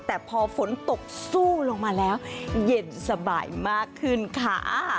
แต่พอฝนตกสู้ลงมาแล้วเย็นสบายมากขึ้นค่ะ